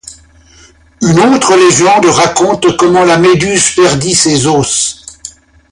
Une autre légende raconte comment la méduse perdit ses os.